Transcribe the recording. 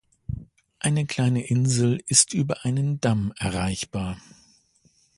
Eine kleine Insel ist über einen Damm erreichbar.